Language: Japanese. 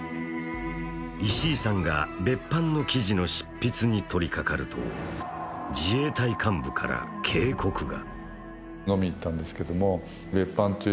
石井さんが別班の記事の執筆に取りかかると、自衛隊幹部から警告が。